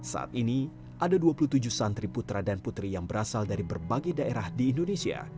saat ini ada dua puluh tujuh santri putra dan putri yang berasal dari berbagai daerah di indonesia